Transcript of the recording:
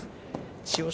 千代翔